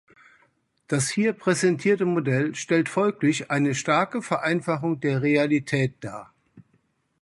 Das hier präsentierte Modell stellt folglich eine starke Vereinfachung der Realität dar.